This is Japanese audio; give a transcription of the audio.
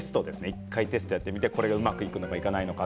１回テストをやってうまくいくのか、いかないのか。